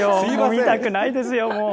見たくないですよ、もう。